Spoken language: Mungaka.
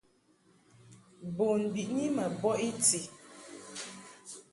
Bun biʼni ma bɔʼ i ti.